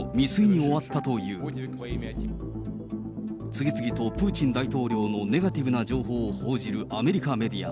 次々とプーチン大統領のネガティブな情報を報じるアメリカメディア。